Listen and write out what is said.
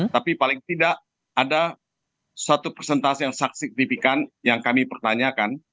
tapi paling tidak ada satu persentase yang sangat signifikan yang kami pertanyakan